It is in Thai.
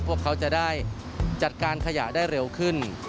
พวกเขาจะได้จัดการขยะได้เร็วขึ้น